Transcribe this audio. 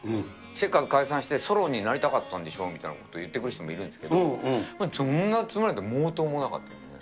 チェッカーズ解散してソロになりたかったんでしょうみたいなことを言ってくる人もいたんですけど、そんなつもりなんて毛頭もなかったですね。